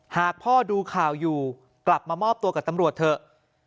หากพ่อดูข่าวอยู่กลับมามอบตัวกับตำรวจเถอะ